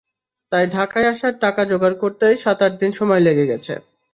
তাই ঢাকায় আসার টাকা জোগাড় করতেই সাত-আট দিন সময় লেগে গেছে।